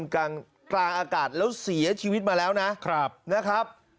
กลางกลางอากาศแล้วเสียชีวิตมาแล้วนะครับ